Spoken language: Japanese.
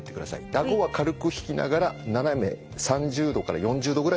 あごは軽く引きながら斜め３０度から４０度ぐらいを見る目線。